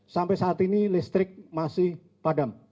sampai saat ini listrik masih padam